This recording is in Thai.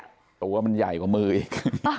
เอาตัวว่ามันใหญ่กว่ามืออีก